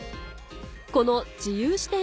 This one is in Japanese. この自由視点